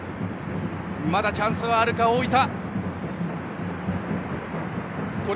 まだチャンスはあるか、大分。